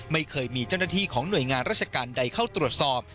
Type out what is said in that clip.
ไม่เคยมีเจ้าหน้าที่ของหน่วยงานราชการใดเข้าตรวจสอบ